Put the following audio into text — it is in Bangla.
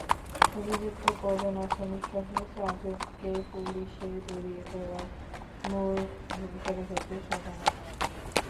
অভিযুক্ত প্রধান আসামিসহ চারজনকেই পুলিশে ধরিয়ে দেওয়ায় মূল ভূমিকা রেখেছে সাধারণ মানুষ।